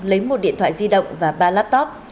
lấy một điện thoại di động và ba laptop